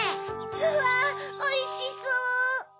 うわおいしそう！